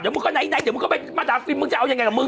เดี๋ยวมึงก็ไหนดีเดี๋ยวมึงก็มาดัมฟิลมึงจะเอาไงกับมึง